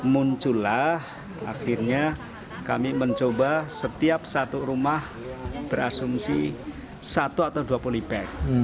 muncullah akhirnya kami mencoba setiap satu rumah berasumsi satu atau dua polybag